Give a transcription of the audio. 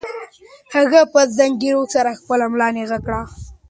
هغې په زګیروي سره خپله ملا نېغه کړه.